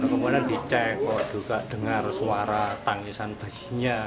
kemudian dicek dengar suara tangisan bayinya